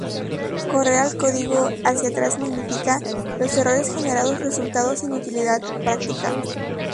Correr el código hacia atrás magnifica los errores generando resultados sin utilidad práctica.